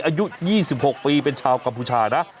อายุ๒๖ปีเป็นชาวกัมพูชานะ